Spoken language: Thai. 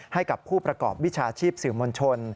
ให้กับผู้ประกอบวิชาชีพสื่อมวลชน